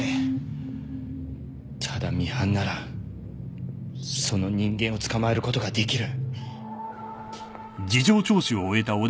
ただミハンならその人間を捕まえることができる。